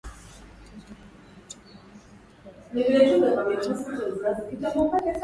sasa hao wanaotengeneza na kuuza duniani wanapata faida maradufu